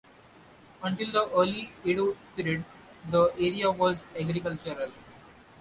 Until the early Edo period, the area was agricultural.